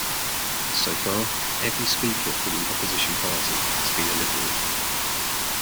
So far, every Speaker from an opposition party has been a Liberal.